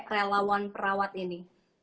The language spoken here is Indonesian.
relawan perawat ini